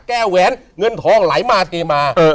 แหวนเงินทองไหลมาเทมา